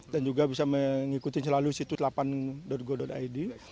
dan juga bisa mengikuti selalu situs delapan go id